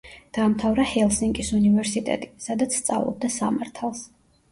დაამთავრა ჰელსინკის უნივერსიტეტი, სადაც სწავლობდა სამართალს.